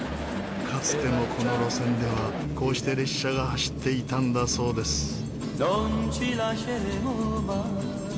かつてもこの路線ではこうして列車が走っていたんだそうです。